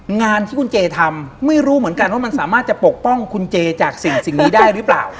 งานที่คุณเจทำไม่รู้เหมือนกันว่ามันสามารถจะปกป้องคุณเจจากสิ่งนี้ได้หรือเปล่า